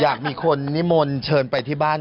อยากมีคนนิมนต์เชิญไปที่บ้าน